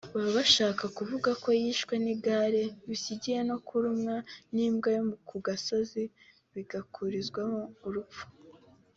Baba bashaka kuvuga ko yishwe n’igare bisigiye no kurumwa n’imbwa yo ku gasozi bigakurizamo urupfu